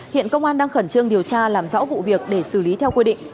hiện công an đang khẩn trương điều tra làm rõ vụ việc để xử lý theo quy định